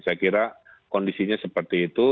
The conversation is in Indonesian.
saya kira kondisinya seperti itu